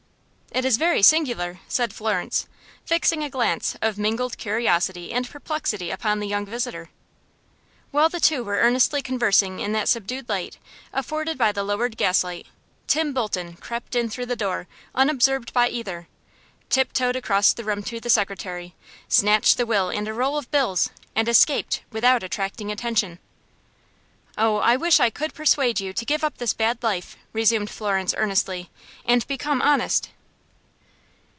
"It is very singular," said Florence, fixing a glance of mingled curiosity and perplexity upon the young visitor. While the two were earnestly conversing in that subdued light, afforded by the lowered gaslight, Tim Bolton crept in through the door unobserved by either, tiptoed across the room to the secretary, snatched the will and a roll of bills, and escaped without attracting attention. "Oh, I wish I could persuade you to give up this bad life," resumed Florence, earnestly, "and become honest."